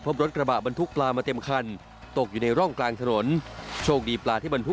อีกหลายเกิดดูปฏิเหตุตรงสามแยกไฟแดงบ้านตานหมู่๕